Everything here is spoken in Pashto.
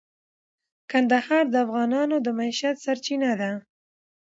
کندهار د افغانانو د معیشت سرچینه ده.